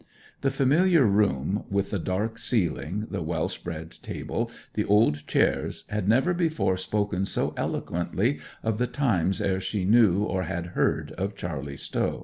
The familiar room, with the dark ceiling, the well spread table, the old chairs, had never before spoken so eloquently of the times ere she knew or had heard of Charley Stow.